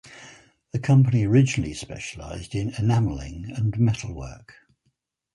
The company originally specialised in enamelling and metalwork.